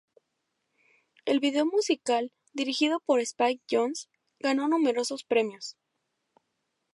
El video musical, dirigido por Spike Jonze, ganó numerosos premios.